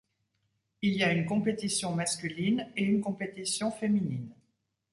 Il y a une compétition masculine et une compétition féminine.